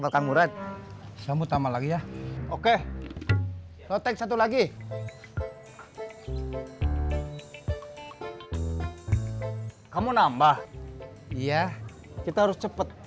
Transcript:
mau kamu red sama sama lagi ya oke otek satu lagi kamu nambah iya kita harus cepet